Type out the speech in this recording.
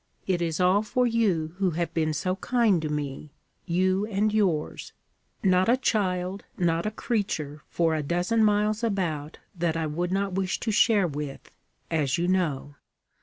It is all for you who have been so kind to me you and yours. Not a child, not a creature, for a dozen miles about that I would not wish to share with, as you know.